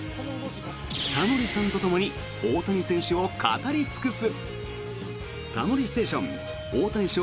タモリさんとともに大谷選手を語り尽くす！